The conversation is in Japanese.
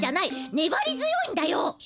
ねばり強いんだよ！